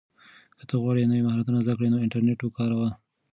که ته غواړې نوی مهارت زده کړې نو انټرنیټ وکاروه.